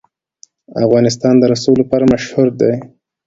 افغانستان د رسوب لپاره مشهور دی.